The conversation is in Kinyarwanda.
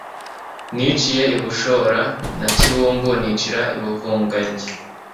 Niciye i Bushora na Kibumbu nicira i Buvugange